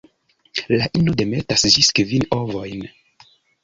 La ino demetas ĝis kvin ovojn.